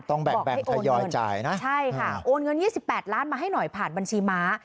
ต้องแบ่งทยอยจ่ายนะใช่ค่ะโอนเงิน๒๘ล้านมาให้หน่อยผ่านบัญชีม้า